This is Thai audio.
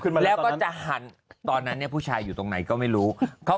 มาแล้วก็จะหันตอนนั้นเนี่ยผู้ชายอยู่ตรงไหนก็ไม่รู้เขา